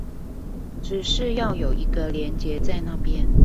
只是要有一個連結在那邊